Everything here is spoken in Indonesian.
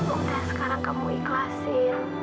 udah sekarang kamu ikhlasin